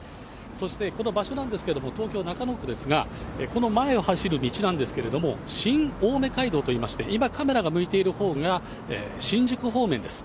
そしてこの場所なんですけれども、東京・中野区ですが、この前を走る道なんですけれども、新青梅街道といいまして、今、カメラが向いているほうが新宿方面です。